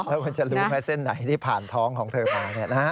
แล้วคุณจะรู้ไหมเส้นไหนที่ผ่านท้องของเธอมา